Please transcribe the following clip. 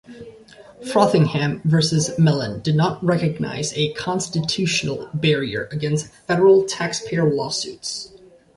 "Frothingham versus Mellon" did not recognize a constitutional barrier against federal taxpayer lawsuits.